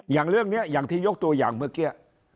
อย่างเรื่องนี้อย่างที่ยกตัวอย่างเมื่อกี้